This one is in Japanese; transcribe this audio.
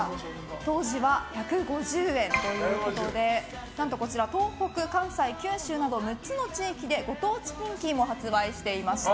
当時は１５０円ということでこちら、東北、関西、九州など６つの地域でご当地ピンキーも発売していました。